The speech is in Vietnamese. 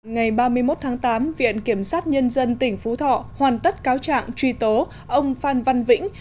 ngày ba mươi một tháng tám viện kiểm sát nhân dân tỉnh phú thọ hoàn tất cáo trạng truy tố ông phan văn vĩnh